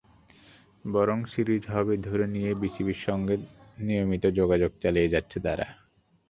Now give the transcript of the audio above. বরং সিরিজ হবে ধরে নিয়েই বিসিবির সঙ্গে নিয়মিত যোগাযোগ চালিয়ে যাচ্ছে তারা।